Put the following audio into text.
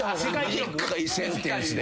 短いセンテンスで。